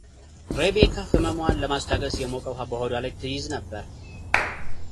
ሬቤካ ህመሟን ለማስታገስ የሞቀ ውሃ በሆዷ ላይ ትይዝ ነበር።